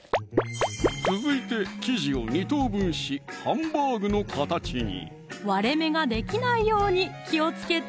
続いて生地を２等分しハンバーグの形に割れ目ができないように気をつけて！